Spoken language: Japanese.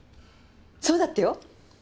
そうだってよ。